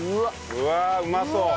うわあうまそう！